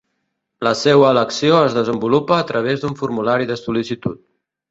La seua elecció es desenvolupa a través d’un formulari de sol·licitud.